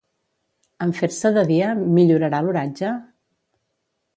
En fer-se de dia, millorà l'oratge?